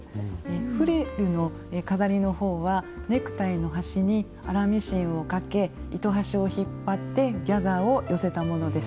フリルの飾りの方はネクタイの端に粗ミシンをかけ糸端を引っ張ってギャザーを寄せたものです。